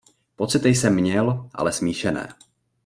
Pocity jsem měl ale smíšené.